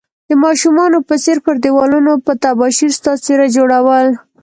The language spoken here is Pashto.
د ماشومانو په څير پر ديوالونو په تباشير ستا څيره جوړول